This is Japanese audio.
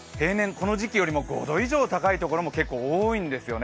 この時期よりも５度以上高いところも結構、多いんですよね。